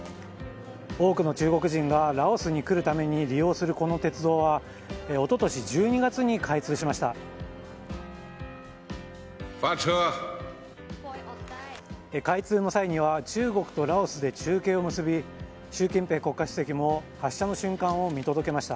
多くの中国人がラオスに来るために利用するこの鉄道は一昨年１２月に開通しました。